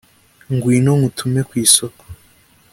ngwino nkutume kwisoko